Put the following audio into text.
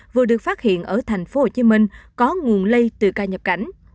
vừa được phát hiện ở thành phố hồ chí minh có nguồn lây từ ca nhập cảnh